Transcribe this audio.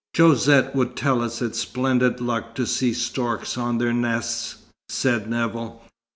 "Josette would tell us it's splendid luck to see storks on their nests," said Nevill.